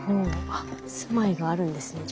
あっ住まいがあるんですね